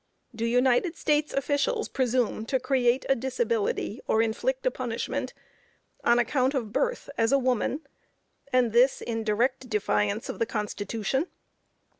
Do United States officials presume to create a disability, or inflict a punishment, on account of birth as a woman, and this in direct defiance of the Constitution?